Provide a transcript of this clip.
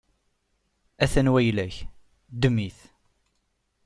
A-t-an wayla-k, ddem-it!